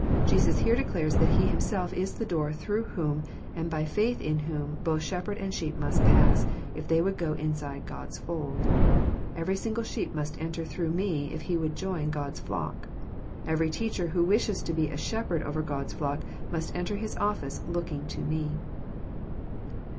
Jesus here declares that He Himself is the Door through whom, and by Ikith in whom, both shepherd and sheep must pass, if they would go inside God's fold. *' Every single sheep must enter through Me, if he would join God's flock. Every teacher who wishes to be a shepherd over God's flock, must enter his office looking to Me."